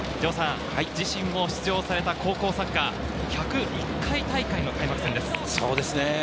自身も出場された高校サッカー、１０１回大会の開幕戦です。